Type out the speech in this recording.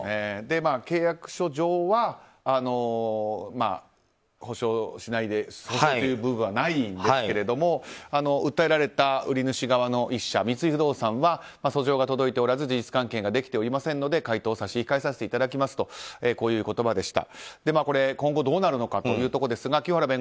契約書上は、補償しないそういう部分はないんですけど訴えられた売り主側の１社の三井不動産は訴状が届いておらず事実確認ができておりませんので回答を差し控えさせていただきますとこういう言葉でした。